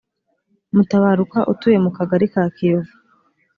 mutabaruka utuye mu kagari ka kiyovu